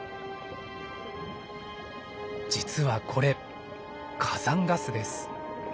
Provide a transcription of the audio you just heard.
実はこれ火山ガスです。